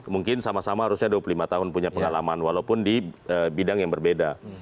mungkin sama sama harusnya dua puluh lima tahun punya pengalaman walaupun di bidang yang berbeda